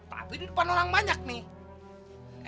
tapi di depan orang banyak nih